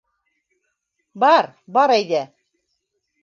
Бар, бар әйҙә!